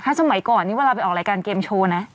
สมัยก่อนนี่เวลาไปออกรายการเกมโชว์นะ